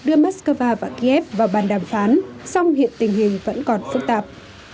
đưa moscow và kiev vào bàn đàm phán song hiện tình hình vẫn còn phức tạp